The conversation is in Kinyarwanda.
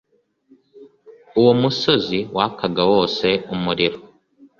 uwo musozi wakaga wose umuriro,